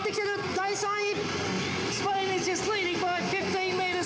第３位！」。